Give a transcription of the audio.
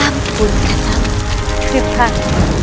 ampun katamu kripal